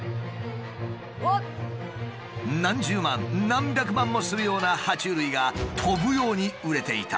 何十万何百万もするようなは虫類が飛ぶように売れていた。